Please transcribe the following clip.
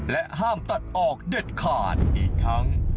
ห้ามตัดออกเด็ดขาดอีกทั้ง